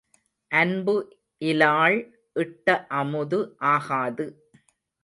அன்பு இலாள் இட்ட அமுது ஆகாது.